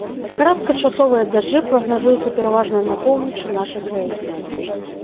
Кароткачасовыя дажджы прагназуюцца пераважна на поўначы нашай краіны.